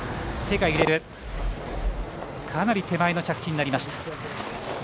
かなり手前の着地になりました。